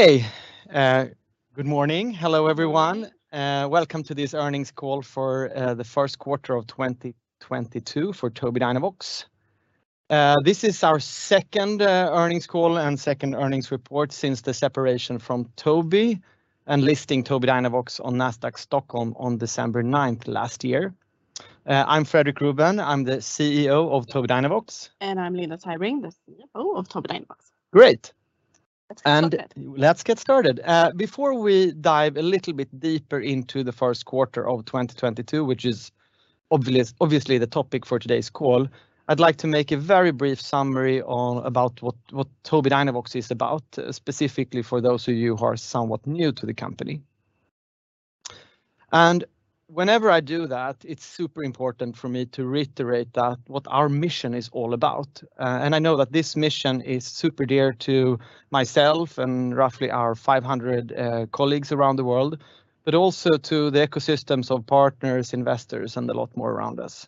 Hey, good morning. Hello, everyone. Welcome to this earnings call for the first quarter of 2022 for Tobii Dynavox. This is our second earnings call and second earnings report since the separation from Tobii, and listing Tobii Dynavox on Nasdaq Stockholm on December 9th last year. I'm Fredrik Ruben. I'm the CEO of Tobii Dynavox. I'm Linda Tybring, the CFO of Tobii Dynavox. Great. Let's get started. Let's get started. Before we dive a little bit deeper into the first quarter of 2022, which is obviously the topic for today's call, I'd like to make a very brief summary on about what Tobii Dynavox is about, specifically for those of you who are somewhat new to the company. Whenever I do that, it's super important for me to reiterate that what our mission is all about. I know that this mission is super dear to myself and roughly our 500 colleagues around the world, but also to the ecosystems of partners, investors, and a lot more around us.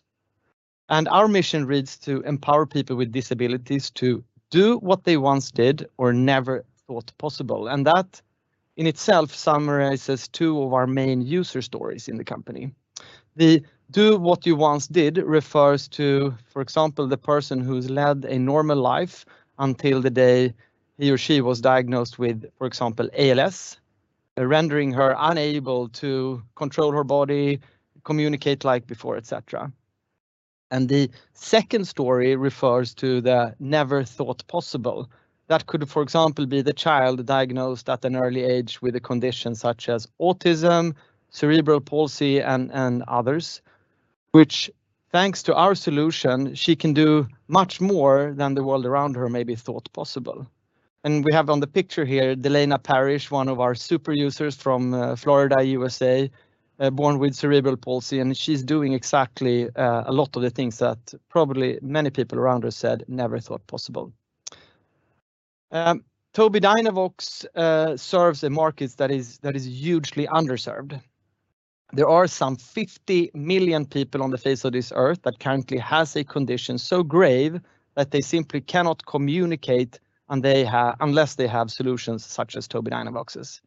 Our mission reads to empower people with disabilities to do what they once did or never thought possible. That in itself summarizes two of our main user stories in the company. The do what you once did refers to, for example, the person who's led a normal life until the day he or she was diagnosed with, for example, ALS, rendering her unable to control her body, communicate like before, et cetera. The second story refers to the never thought possible. That could, for example, be the child diagnosed at an early age with a condition such as autism, cerebral palsy, and others, which thanks to our solution, she can do much more than the world around her maybe thought possible. We have on the picture here, Delaina Parrish, one of our super users from Florida, USA, born with cerebral palsy, and she's doing exactly a lot of the things that probably many people around her said never thought possible. Tobii Dynavox serves a market that is hugely underserved. There are some 50 million people on the face of this earth that currently has a condition so grave that they simply cannot communicate unless they have solutions such as Tobii Dynavox's.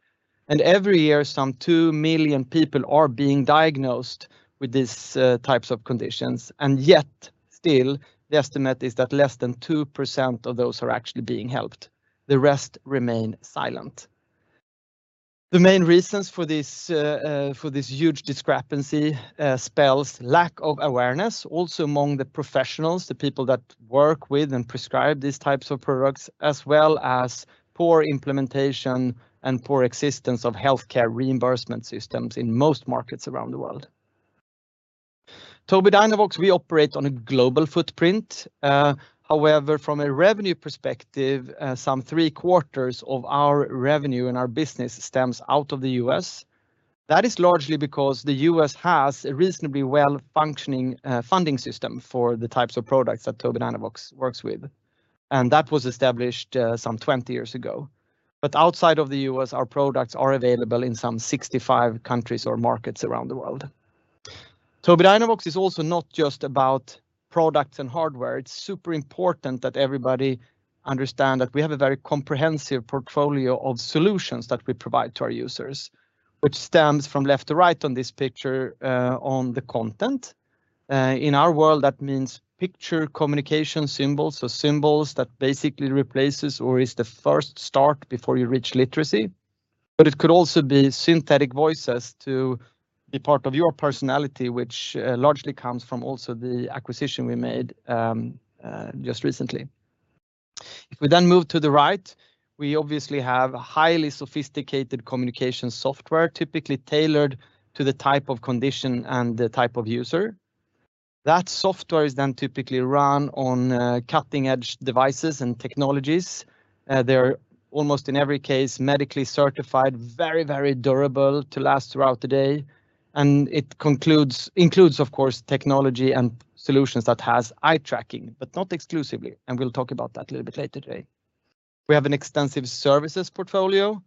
Every year, some 2 million people are being diagnosed with these types of conditions, and yet still, the estimate is that less than 2% of those are actually being helped. The rest remain silent. The main reasons for this huge discrepancy spells lack of awareness also among the professionals, the people that work with and prescribe these types of products, as well as poor implementation and poor existence of healthcare reimbursement systems in most markets around the world. Tobii Dynavox, we operate on a global footprint. However, from a revenue perspective, some three quarters of our revenue and our business stems out of the U.S. That is largely because the US has a reasonably well-functioning, funding system for the types of products that Tobii Dynavox works with, and that was established, some 20 years ago. Outside of the US, our products are available in some 65 countries or markets around the world. Tobii Dynavox is also not just about products and hardware. It's super important that everybody understand that we have a very comprehensive portfolio of solutions that we provide to our users, which stems from left to right on this picture, on the content. In our world, that means Picture Communication Symbols, so symbols that basically replaces or is the first start before you reach literacy. It could also be synthetic voices to be part of your personality, which, largely comes from also the acquisition we made, just recently. If we move to the right, we obviously have highly sophisticated communication software, typically tailored to the type of condition and the type of user. That software is then typically run on cutting-edge devices and technologies. They're almost in every case medically certified, very durable to last throughout the day, and it includes of course technology and solutions that has eye tracking, but not exclusively, and we'll talk about that a little bit later today. We have an extensive services portfolio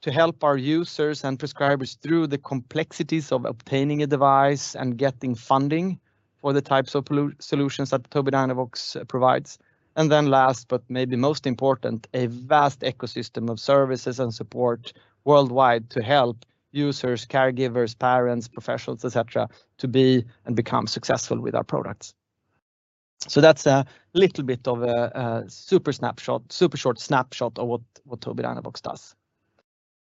to help our users and prescribers through the complexities of obtaining a device and getting funding for the types of solutions that Tobii Dynavox provides. Last, but maybe most important, a vast ecosystem of services and support worldwide to help users, caregivers, parents, professionals, et cetera, to be and become successful with our products. That's a little bit of a super snapshot, super short snapshot of what Tobii Dynavox does.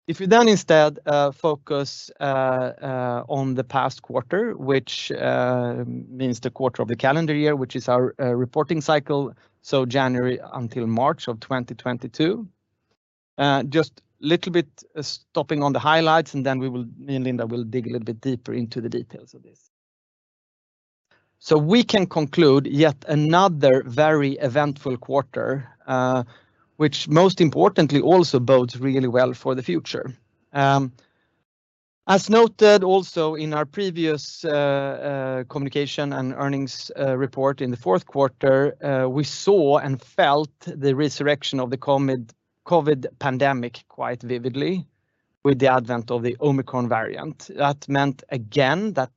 If you then instead focus on the past quarter, which means the quarter of the calendar year, which is our reporting cycle, so January until March of 2022, just little bit stopping on the highlights, and then me and Linda will dig a little bit deeper into the details of this. We can conclude yet another very eventful quarter, which most importantly, also bodes really well for the future. As noted also in our previous communication and earnings report in the fourth quarter, we saw and felt the resurrection of the COVID pandemic quite vividly. With the advent of the Omicron variant. That meant again that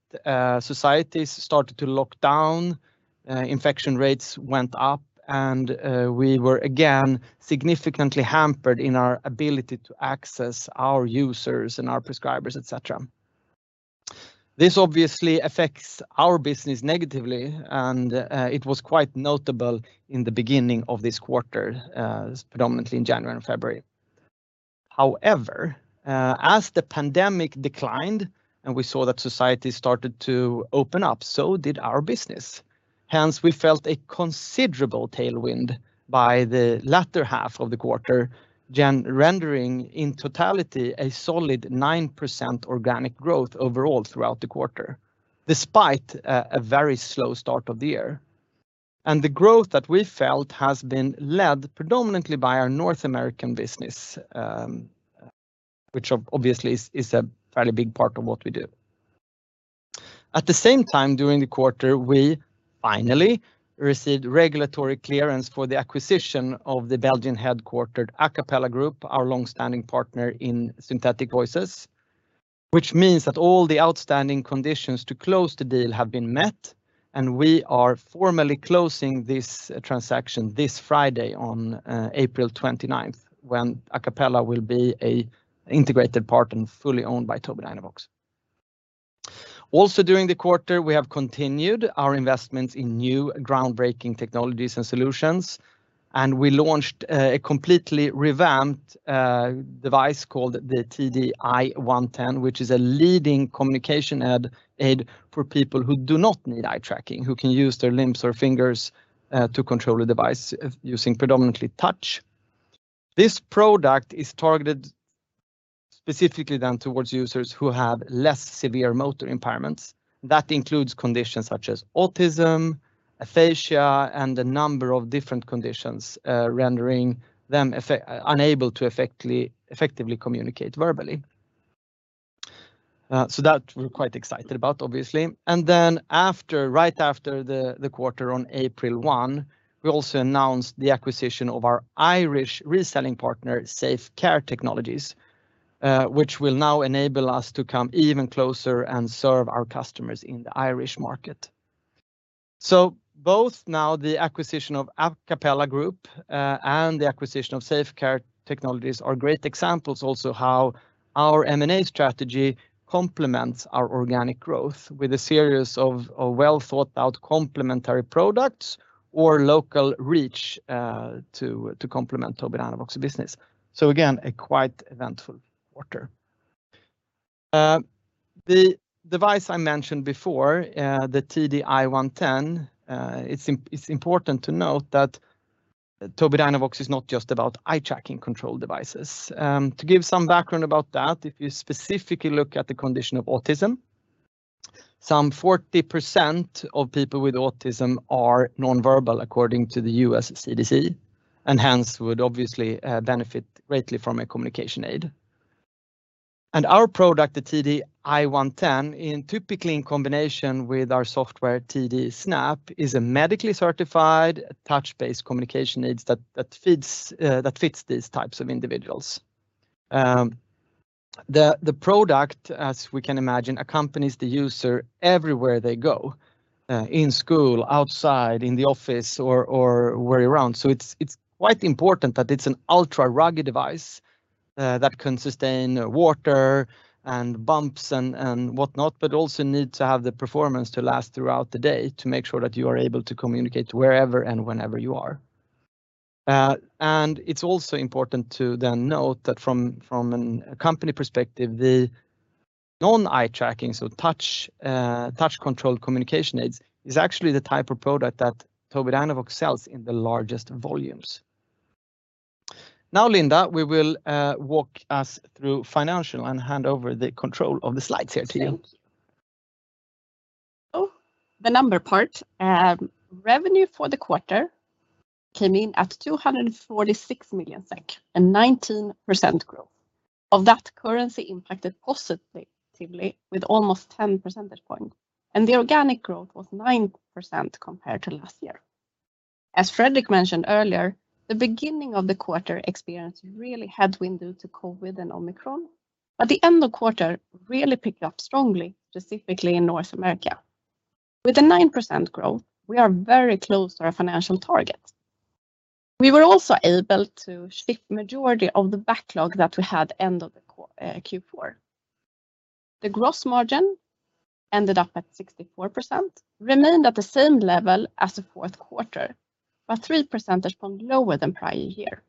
societies started to lock down, infection rates went up, and we were again significantly hampered in our ability to access our users and our prescribers, et cetera. This obviously affects our business negatively, and it was quite notable in the beginning of this quarter, predominantly in January and February. However, as the pandemic declined, and we saw that society started to open up, so did our business. Hence, we felt a considerable tailwind by the latter half of the quarter, rendering in totality a solid 9% organic growth overall throughout the quarter, despite a very slow start of the year. The growth that we felt has been led predominantly by our North American business, which obviously is a fairly big part of what we do. At the same time during the quarter, we finally received regulatory clearance for the acquisition of the Belgian-headquartered Acapela Group, our long-standing partner in synthetic voices, which means that all the outstanding conditions to close the deal have been met, and we are formally closing this transaction this Friday on April 29th, when Acapela will be an integrated part and fully owned by Tobii Dynavox. Also during the quarter, we have continued our investments in new groundbreaking technologies and solutions, and we launched a completely revamped device called the TD I-110, which is a leading communication aid for people who do not need eye tracking, who can use their limbs or fingers to control a device using predominantly touch. This product is targeted specifically then towards users who have less severe motor impairments. That includes conditions such as autism, aphasia, and a number of different conditions, rendering them unable to effectively communicate verbally. We're quite excited about, obviously. After, right after the quarter on April 1, we also announced the acquisition of our Irish reselling partner, SafeCare Technologies, which will now enable us to come even closer and serve our customers in the Irish market. Both now the acquisition of Acapela Group, and the acquisition of SafeCare Technologies are great examples also how our M&A strategy complements our organic growth with a series of well-thought-out complementary products or local reach, to complement Tobii Dynavox business. Again, a quite eventful quarter. The device I mentioned before, the TD I-110, it's important to note that Tobii Dynavox is not just about eye-tracking control devices. To give some background about that, if you specifically look at the condition of autism, some 40% of people with autism are non-verbal according to the US CDC, and hence would obviously benefit greatly from a communication aid. Our product, the TD I-110, typically in combination with our software, TD Snap, is a medically certified touch-based communication aids that fits these types of individuals. The product, as we can imagine, accompanies the user everywhere they go, in school, outside, in the office or where around. It's quite important that it's an ultra-rugged device that can sustain water and bumps and whatnot, but also need to have the performance to last throughout the day to make sure that you are able to communicate wherever and whenever you are. It's also important to note that from a company perspective, the non-eye-tracking, so touch-controlled communication aids is actually the type of product that Tobii Dynavox sells in the largest volumes. Now, Linda, you will walk us through financials and hand over the control of the slides here to you. Thank you. The number part. Revenue for the quarter came in at 246 million SEK, a 19% growth. Of that, currency impacted positively with almost 10 percentage points, and the organic growth was 9% compared to last year. As Fredrik mentioned earlier, the beginning of the quarter experienced really headwind due to COVID and Omicron, but the end of quarter really picked up strongly, specifically in North America. With a 9% growth, we are very close to our financial target. We were also able to ship majority of the backlog that we had end of Q4. The gross margin ended up at 64%, remained at the same level as the fourth quarter, but three percentage points lower than prior year.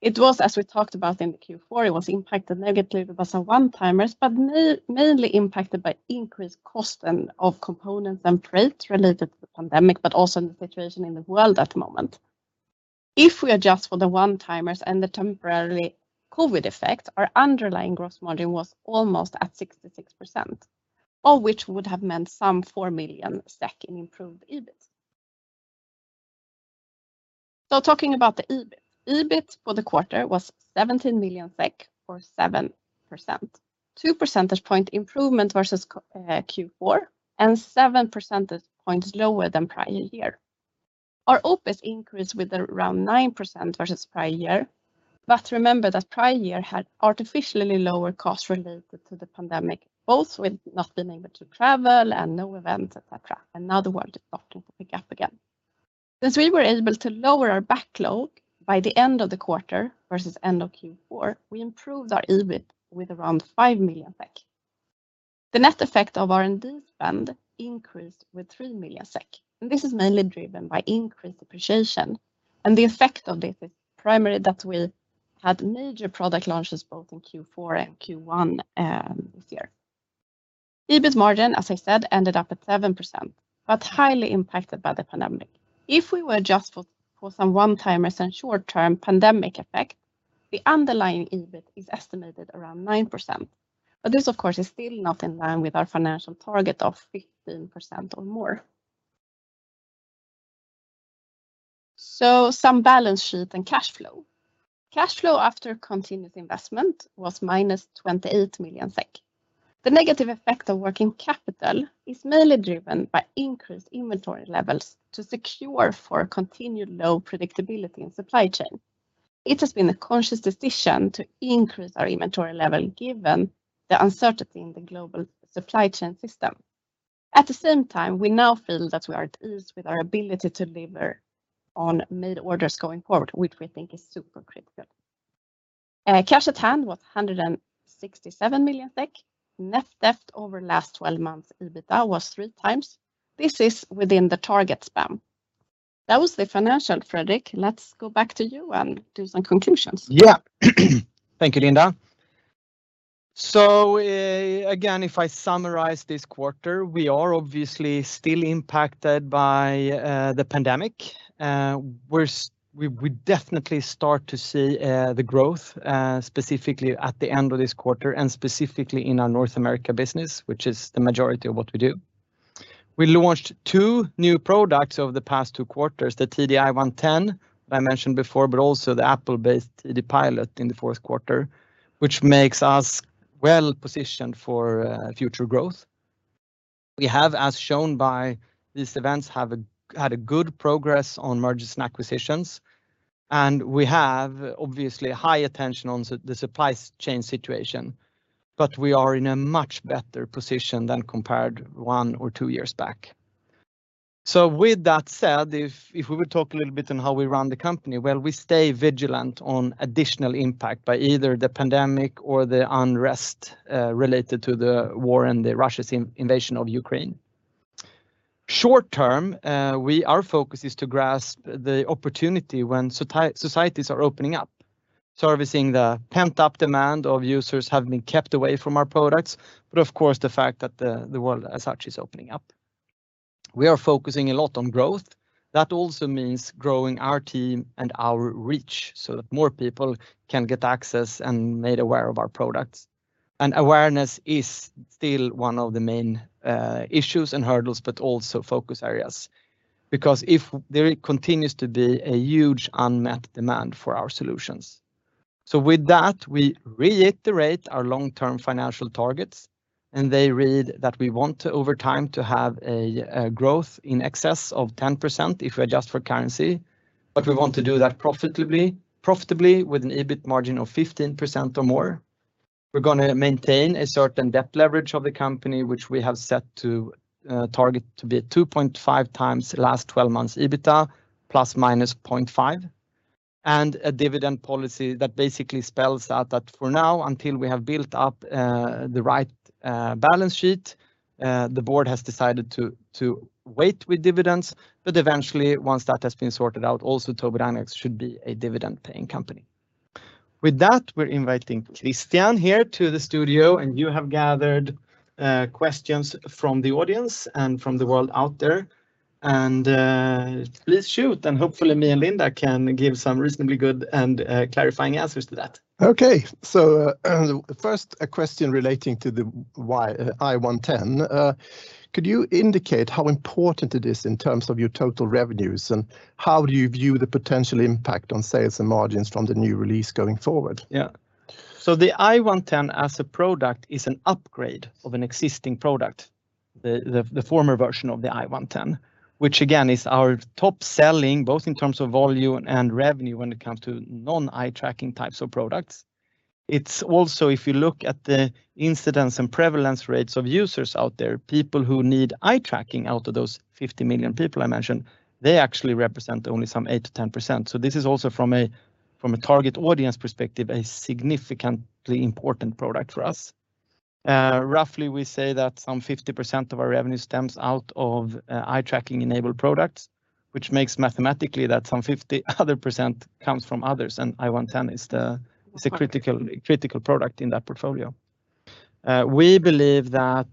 It was, as we talked about in the Q4, impacted negatively by some one-timers, but mainly impacted by increased costs of components and freight related to the pandemic, but also in the situation in the world at the moment. If we adjust for the one-timers and the temporary COVID effect, our underlying gross margin was almost at 66%, which would have meant 4 million in improved EBIT. Talking about the EBIT. EBIT for the quarter was 17 million SEK, or 7%. 2 percentage point improvement versus Q4, and 7 percentage points lower than prior year. Our OPEX increased with around 9% versus prior year, but remember that prior year had artificially lower costs related to the pandemic, both with not being able to travel and no events, et cetera, and now the world is starting to pick up again. Since we were able to lower our backlog by the end of the quarter versus end of Q4, we improved our EBIT with around 5 million SEK. The net effect of R&D spend increased with 3 million SEK, and this is mainly driven by increased depreciation, and the effect of this is primarily that we had major product launches both in Q4 and Q1 this year. EBIT margin, as I said, ended up at 7%, but highly impacted by the pandemic. If we adjust for some one-timers and short-term pandemic effect, the underlying EBIT is estimated around 9%, but this of course is still not in line with our financial target of 15% or more. Some balance sheet and cash flow. Cash flow after continuous investment was -28 million SEK. The negative effect of working capital is mainly driven by increased inventory levels to secure for continued low predictability in supply chain. It has been a conscious decision to increase our inventory level given the uncertainty in the global supply chain system. At the same time, we now feel that we are at ease with our ability to deliver on made orders going forward, which we think is super critical. Cash at hand was 167 million SEK. Net debt over last 12 months, EBITDA was 3x. This is within the target span. That was the financial, Fredrik. Let's go back to you and do some conclusions. Yeah. Thank you, Linda. Again, if I summarize this quarter, we are obviously still impacted by the pandemic. We definitely start to see the growth specifically at the end of this quarter and specifically in our North America business, which is the majority of what we do. We launched two new products over the past two quarters, the TD I-110 that I mentioned before, but also the Apple-based TD Pilot in the fourth quarter, which makes us well-positioned for future growth. We have, as shown by these events, had good progress on mergers and acquisitions, and we have obviously high attention on the supply chain situation, but we are in a much better position than compared one or two years back. With that said, if we would talk a little bit on how we run the company, well, we stay vigilant on additional impact by either the pandemic or the unrest related to the war and Russia's invasion of Ukraine. Short-term, our focus is to grasp the opportunity when societies are opening up, servicing the pent-up demand of users have been kept away from our products, but of course, the fact that the world as such is opening up. We are focusing a lot on growth. That also means growing our team and our reach so that more people can get access and made aware of our products. Awareness is still one of the main issues and hurdles, but also focus areas because if there continues to be a huge unmet demand for our solutions. With that, we reiterate our long-term financial targets, and they read that we want to, over time, to have a growth in excess of 10% if we adjust for currency, but we want to do that profitably with an EBIT margin of 15% or more. We're gonna maintain a certain debt leverage of the company, which we have set to target to be 2.5 times the last 12 months EBITDA ±0.5, and a dividend policy that basically spells out that for now until we have built up the right balance sheet, the board has decided to wait with dividends, but eventually once that has been sorted out, also Tobii Dynavox should be a dividend-paying company. With that, we're inviting Christian here to the studio, and you have gathered questions from the audience and from the world out there, and please shoot, and hopefully me and Linda can give some reasonably good and clarifying answers to that. First, a question relating to the I-110. Could you indicate how important it is in terms of your total revenues, and how do you view the potential impact on sales and margins from the new release going forward? Yeah. The I110 as a product is an upgrade of an existing product, the former version of the I110, which again is our top-selling, both in terms of volume and revenue when it comes to non-eye-tracking types of products. It's also, if you look at the incidence and prevalence rates of users out there, people who need eye-tracking out of those 50 million people I mentioned, they actually represent only some 8%-10%. This is also from a target audience perspective, a significantly important product for us. Roughly we say that some 50% of our revenue stems out of eye-tracking enabled products, which makes mathematically that some 50% comes from others, and I110 is a critical product in that portfolio. We believe that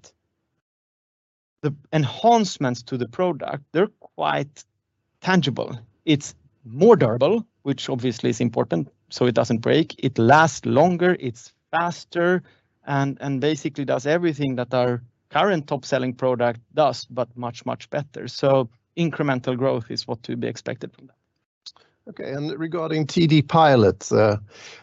the enhancements to the product, they're quite tangible. It's more durable, which obviously is important, so it doesn't break. It lasts longer, it's faster, and basically does everything that our current top-selling product does, but much, much better. Incremental growth is what to be expected from that. Okay, regarding TD Pilot,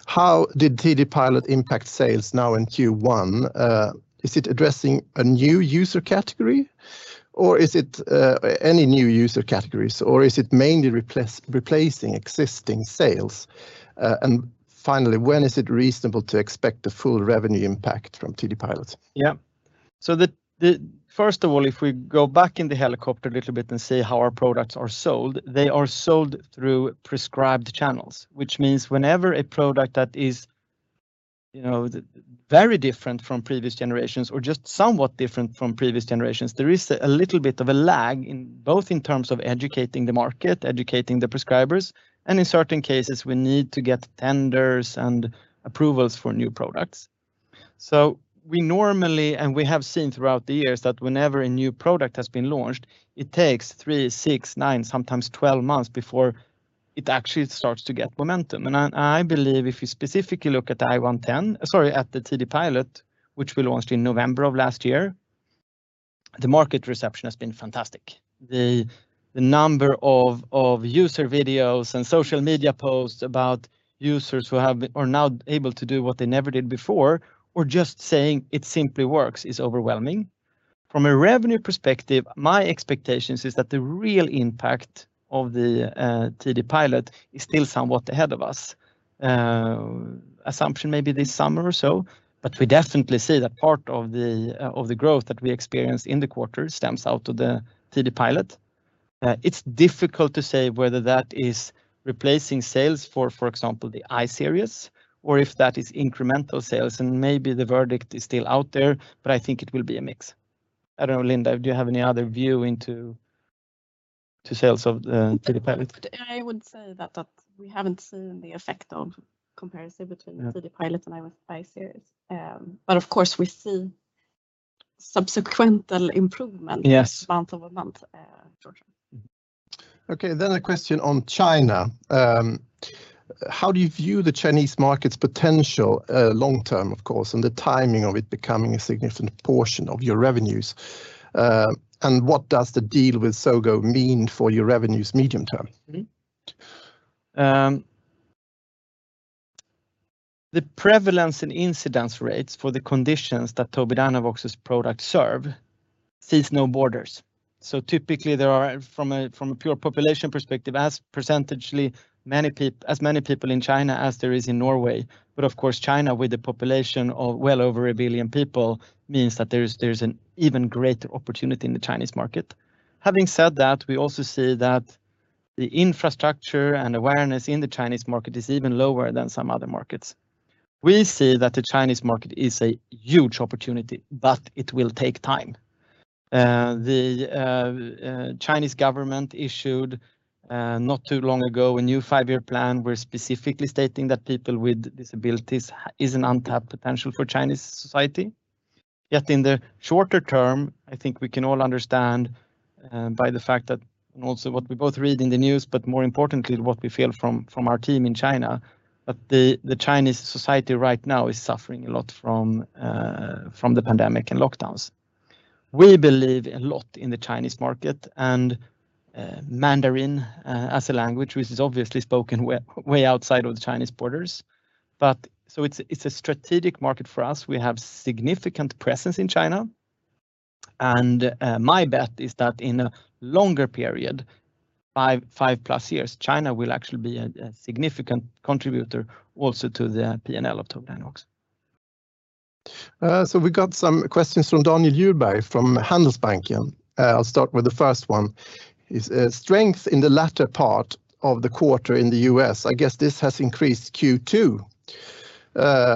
how did TD Pilot impact sales now in Q1? Is it addressing a new user category, or is it any new user categories, or is it mainly replacing existing sales? And finally, when is it reasonable to expect the full revenue impact from TD Pilot? Yeah. First of all, if we go back in the helicopter a little bit and see how our products are sold, they are sold through prescribed channels, which means whenever a product that is, you know, very different from previous generations or just somewhat different from previous generations, there is a little bit of a lag in both in terms of educating the market, educating the prescribers, and in certain cases, we need to get tenders and approvals for new products. We normally, and we have seen throughout the years, that whenever a new product has been launched, it takes 3, 6, 9, sometimes 12 months before it actually starts to get momentum. I believe if you specifically look at the I-110. Sorry, at the TD Pilot, which we launched in November of last year, the market reception has been fantastic. The number of user videos and social media posts about users who are now able to do what they never did before, or just saying it simply works, is overwhelming. From a revenue perspective, my expectations is that the real impact of the TD Pilot is still somewhat ahead of us. Assumption may be this summer or so, but we definitely see that part of the growth that we experienced in the quarter stems from the TD Pilot. It's difficult to say whether that is replacing sales for example, the I-Series or if that is incremental sales, and maybe the verdict is still out there, but I think it will be a mix. I don't know, Linda, do you have any other view into sales of TD Pilot? I would say that we haven't seen the effect of comparison between. Yeah the TD Pilot and I-Series. Of course, we see subsequent improvement. Yes month-over-month, Georg. Okay, a question on China. How do you view the Chinese market's potential, long-term, of course, and the timing of it becoming a significant portion of your revenues? What does the deal with Sogou mean for your revenues medium term? The prevalence and incidence rates for the conditions that Tobii Dynavox's products serve sees no borders. Typically, there are, from a pure population perspective, percentage-wise, as many people in China as there is in Norway. Of course, China, with a population of well over 1 billion people, means that there's an even greater opportunity in the Chinese market. Having said that, we also see that the infrastructure and awareness in the Chinese market is even lower than some other markets. The Chinese market is a huge opportunity, but it will take time. The Chinese government issued, not too long ago, a new five-year plan, where specifically stating that people with disabilities is an untapped potential for Chinese society. Yet in the shorter term, I think we can all understand by the fact that, and also what we both read in the news, but more importantly, what we feel from our team in China, that the Chinese society right now is suffering a lot from the pandemic and lockdowns. We believe a lot in the Chinese market and Mandarin as a language, which is obviously spoken way outside of the Chinese borders. It's a strategic market for us. We have significant presence in China. My bet is that in a longer period, five-plus years, China will actually be a significant contributor also to the P&L of Tobii Dynavox. We got some questions from Daniel Djurberg from Handelsbanken. I'll start with the first one, strength in the latter part of the quarter in the US, I guess this has increased Q2.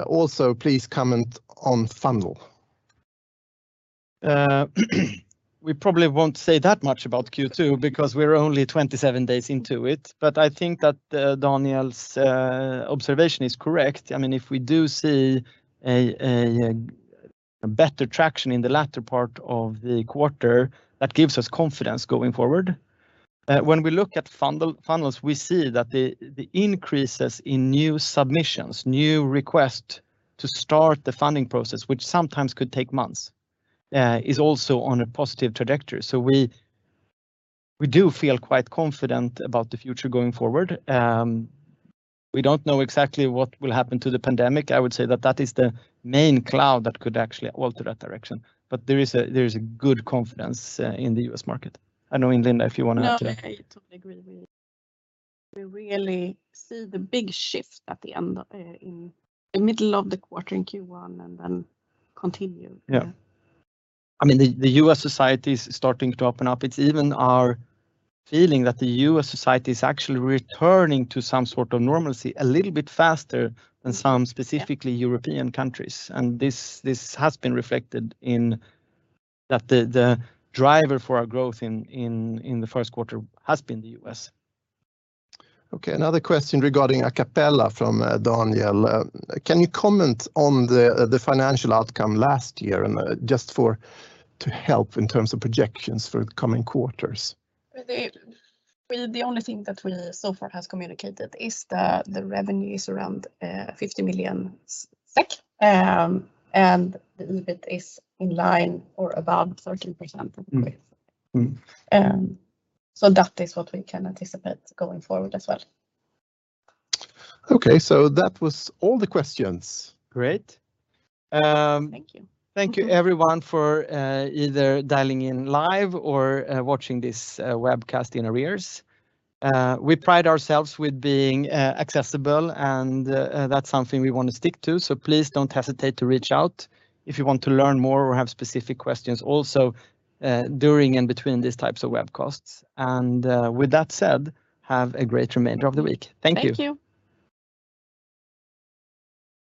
Also, please comment on funnel. We probably won't say that much about Q2 because we're only 27 days into it. I think that Daniel Djurberg's observation is correct. I mean, if we do see a better traction in the latter part of the quarter, that gives us confidence going forward. When we look at funnels, we see that the increases in new submissions, new request to start the funding process, which sometimes could take months, is also on a positive trajectory. We do feel quite confident about the future going forward. We don't know exactly what will happen to the pandemic. I would say that that is the main cloud that could actually alter that direction. There is a good confidence in the US market. I don't know, Linda Tybring, if you wanna add to that. No, I totally agree with you. We really see the big shift at the end, in the middle of the quarter in Q1 and then continue. Yeah. I mean, the US society is starting to open up. It's even our feeling that the US society is actually returning to some sort of normalcy a little bit faster than some specifically European countries. This has been reflected in that the driver for our growth in the first quarter has been the US. Okay, another question regarding Acapela Group from Daniel Djurberg. Can you comment on the financial outcome last year and just to help in terms of projections for the coming quarters? Well, the only thing that we so far has communicated is the revenue is around 50 million SEK, and the EBIT is in line or above 13%. Mm-hmm. Mm-hmm. That is what we can anticipate going forward as well. Okay, that was all the questions. Great. Thank you. Thank you everyone for either dialing in live or watching this webcast in arrears. We pride ourselves with being accessible, and that's something we wanna stick to. Please don't hesitate to reach out if you want to learn more or have specific questions also during and between these types of webcasts. With that said, have a great remainder of the week. Thank you. Thank you.